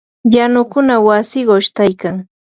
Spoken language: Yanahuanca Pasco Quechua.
yanukuna wasi qushtaykan.